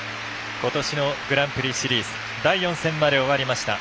ことしのグランプリシリーズ第４戦まで終わりました。